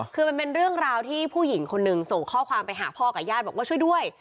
คือมันเป็นเรื่องราวที่ผู้หญิงคนหนึ่งส่งข้อความไปหาพ่อกับญาติบอกว่าช่วยด้วย